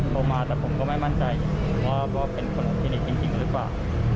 โทรมาแต่ผมก็ไม่มั่นใจว่าเป็นคนคลินิกจริงหรือเปล่า